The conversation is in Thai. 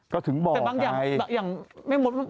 ก็ถึงบอกไงแต่บางอย่าง